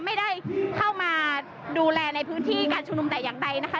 ไม่ได้เข้ามาดูแลในพื้นที่การชุมนุมแต่อย่างใดนะคะ